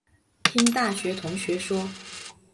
听大学同事说